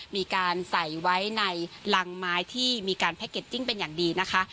มีการใส่ไว้ในรังไม้ที่มีการแพ็กเกจจิ้งเป็นอย่างดีนะคะ